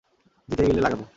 জিতে গেলে লাগাবো।